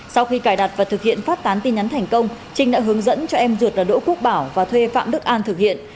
sau khi cài đặt và thực hiện phát tán tin nhắn thành công trinh đã hướng dẫn cho em ruột là đỗ quốc bảo và thuê phạm đức an thực hiện